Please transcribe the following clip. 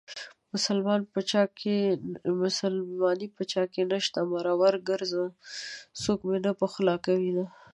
مسلماني په چاكې نشته مرور ګرځم څوك مې نه پخولاكوينه